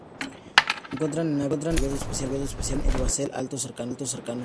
Se encuentra en hábitats abiertos, especialmente en herbazales altos cercanos al agua.